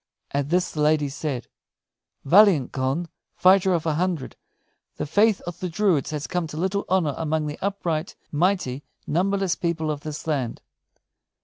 At this the lady said: "Valiant Conn, fighter of a hundred, the faith of the druids has come to little honor among the upright, mighty, numberless people of this land.